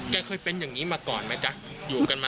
แม่เป็นไงบ้างสบายใจไหมคุณแม่